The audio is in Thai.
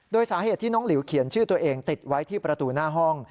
โดยสาเหตุที่น้องหลิวเขียนชื่อตัวเองติดไว้ที่ประตูหน้าห้อง